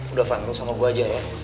udah van lo sama gue aja ya